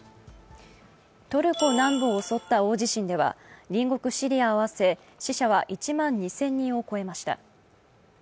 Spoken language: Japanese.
トルコ南部を襲った大地震では隣国シリアを合わせ死者は１万２０００人を超えました。